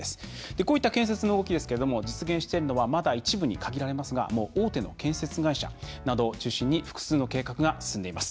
こういった建設の動きですけれども実現しているのはまだ一部に限られますがもう大手の建設会社などを中心に複数の計画が進んでいます。